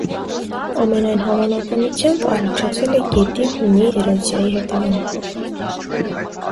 Ամենայն հավանականությամբ՝ առաջացել է գետի հունի էրոզիայի հետևանքով։